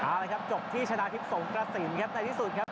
เอาละครับจบที่ชนะทิพย์สงกระสินครับในที่สุดครับ